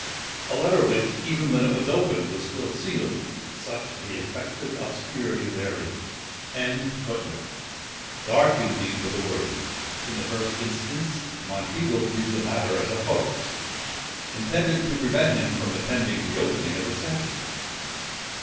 A letter which, even when it was opened, was still sealed, such the affected obscurity therein."—FULLER. Book x. 26.] Dark, indeed, were the words. In the first instance, Monteagle viewed the matter as a hoax, intended to prevent him from attending the opening of the session.